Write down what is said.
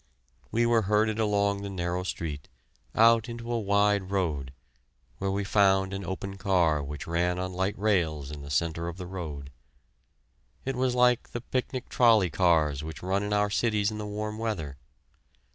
We were herded along the narrow street, out into a wide road, where we found an open car which ran on light rails in the centre of the road. It was like the picnic trolley cars which run in our cities in the warm weather.